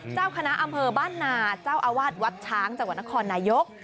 เจ้าคณะอำเภอบ้านนาเจ้าอาวาสวัดช้างจังหวัดนครนายก